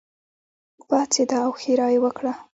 پاڅېده او ښېرا یې وکړه.